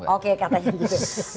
oke katanya gitu